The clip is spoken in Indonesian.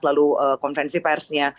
lalu konvensi persnya